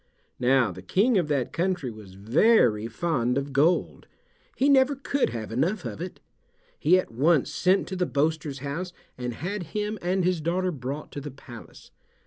Now the King of that country was very fond of gold; he never could have enough of it. He at once sent to the boaster's house and had him and his daughter brought to the palace.